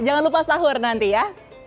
jangan lupa sahur nanti ya